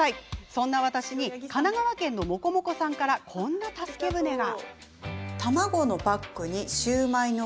そんな私に神奈川県のもこもこさんからこんな助け船が。